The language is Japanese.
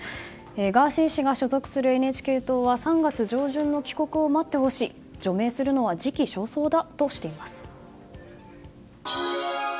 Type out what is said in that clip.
ガーシー氏が所属するＮＨＫ党は３月上旬の帰国を待ってほしい除名するのは時期尚早だとしています。